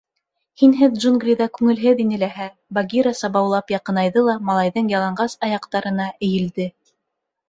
— Һинһеҙ джунглиҙа күңелһеҙ ине ләһә, — Багира сабаулап яҡынайҙы ла малайҙың яланғас аяҡтарына эйелде.